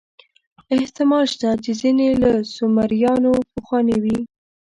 احتمال شته چې ځینې له سومریانو پخواني وي.